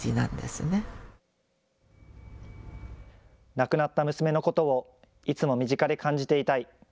亡くなった娘のことをいつも身近で感じていたい。